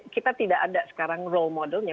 kita tidak ada sekarang role modelnya